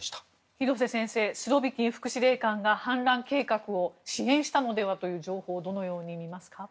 廣瀬先生スロビキン副司令官が反乱計画を支援したのではという情報をどのように見ますか？